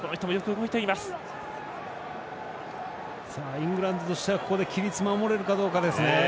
イングランドとしてはここで規律守れるかですね。